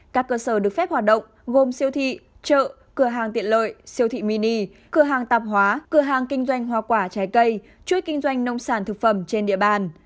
các cơ sở được phép hoạt động gồm siêu thị chợ cửa hàng tiện lợi siêu thị mini cửa hàng tạp hóa cửa hàng kinh doanh hoa quả trái cây chuỗi kinh doanh nông sản thực phẩm trên địa bàn